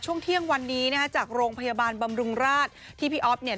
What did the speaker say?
ช่วงเที่ยงวันนี้นะฮะจากโรงพยาบาลบำรุงราชที่พี่อ๊อฟเนี่ย